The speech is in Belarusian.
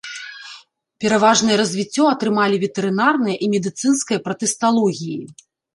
Пераважнае развіццё атрымалі ветэрынарная і медыцынская пратысталогіі.